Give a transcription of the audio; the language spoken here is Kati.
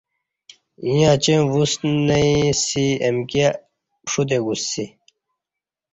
ایݩ اچیں وُسنئ سی امکی پݜتے گوسسی